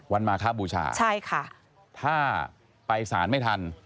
วันมาคราบบูชาใช่ค่ะถ้าไปศาลไม่ทัน